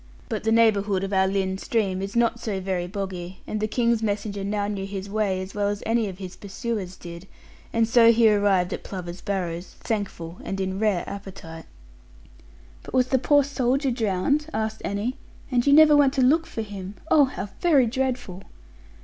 But the neighbourhood of our Lynn stream is not so very boggy; and the King's messenger now knew his way as well as any of his pursuers did; and so he arrived at Plover's Barrows, thankful, and in rare appetite. 'But was the poor soldier drowned?' asked Annie; 'and you never went to look for him! Oh, how very dreadful!'